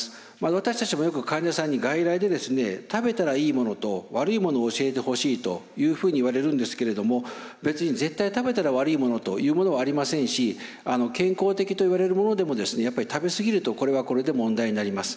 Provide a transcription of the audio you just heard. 私たちもよく患者さんに外来で食べたらいいものと悪いものを教えてほしいというふうに言われるんですけれども別に絶対食べたら悪いものというものはありませんし健康的といわれるものでもやっぱり食べ過ぎるとこれはこれで問題になります。